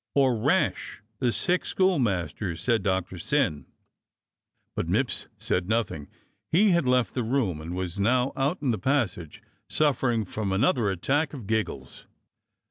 "Or Rash, the sick schoolmaster," said Doctor Syn. But Mipps said nothing; he had left the room and was now out in the passage, suffering from another attack of giggles.